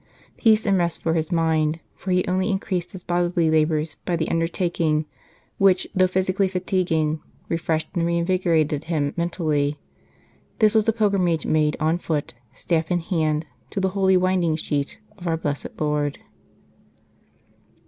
Peace and rest for his mind, for he only increased his bodily labours by the undertaking, which, though physic ally fatiguing, refreshed and reinvigorated him mentally. This was a pilgrimage made on foot, staff in hand, to the Holy Winding Sheet of Our Blessed Lord.